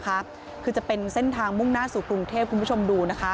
คือจะเป็นเส้นทางมุ่งหน้าสู่กรุงเทพคุณผู้ชมดูนะคะ